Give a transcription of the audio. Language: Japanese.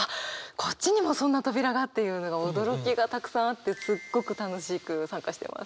こっちにもそんな扉がっていうのが驚きがたくさんあってすっごく楽しく参加してます。